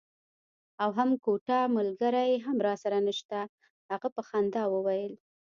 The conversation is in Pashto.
او هم کوټه ملګری هم راسره نشته. هغه په خندا وویل.